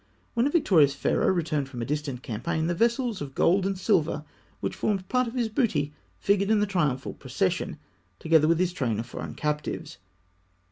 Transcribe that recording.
When a victorious Pharaoh returned from a distant campaign, the vessels of gold and silver which formed part of his booty figured in the triumphal procession, together with his train of foreign captives.